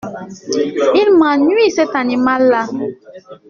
Il m’ennuie, cet animal-là !